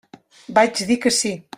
Vaig dir que sí.